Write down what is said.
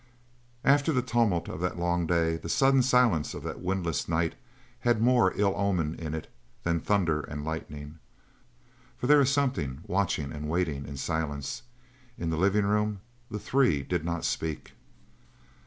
After the tumult of that long day the sudden silence of that windless night had more ill omen in it than thunder and lightning. For there is something watching and waiting in silence. In the living room the three did not speak.